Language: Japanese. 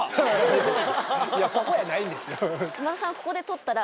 そこやないんですよ。